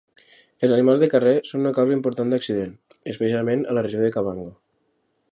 Els animals de carrer són una causa important d'accident, especialment a la regió de Kavango.